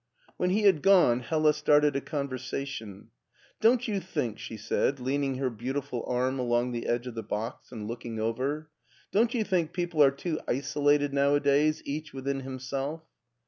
When he had gone, Hella started a conversation. Don't you think," she said, leaning her beautiful arm along the edge of the box and looking over —" don't you think people are too isolated nowadays each within himself?"